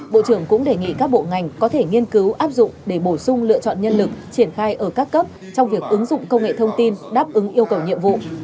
bộ trưởng cũng đề nghị các bộ ngành có thể nghiên cứu áp dụng để bổ sung lựa chọn nhân lực triển khai ở các cấp trong việc ứng dụng công nghệ thông tin đáp ứng yêu cầu nhiệm vụ